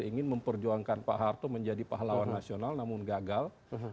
ingin memperjuangkan pak harto menjadi pahlawan nasional namun gagal